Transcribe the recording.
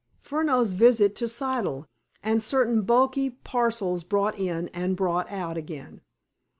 "Furneaux's visit to Siddle, and certain bulky parcels brought in and brought out again."